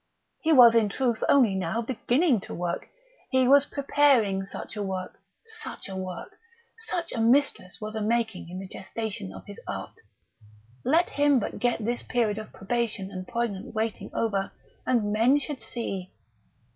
He was in truth only now beginning to work. He was preparing such a work ... such a work ... such a Mistress was a making in the gestation of his Art ... let him but get this period of probation and poignant waiting over and men should see....